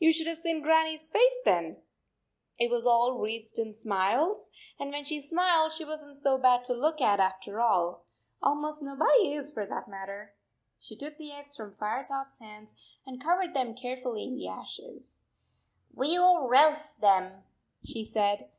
You should have seen Grannie s face then ! It was all wreathed in smiles, and when she smiled she wasn t so bad to look at after all. Almost nobody is for that mat ter. She took the eggs from Firetop s hands and covered them carefully in the ashes. " We 11 roast them," she said.